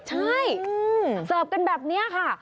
ใช่เสิร์ฟกันแบบนี้ค่ะ